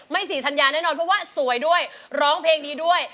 สี่ธัญญาแน่นอนเพราะว่าสวยด้วยร้องเพลงดีด้วย